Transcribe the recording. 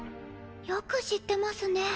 よく知ってますね？